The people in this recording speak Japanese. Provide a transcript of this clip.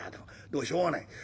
でもしょうがない。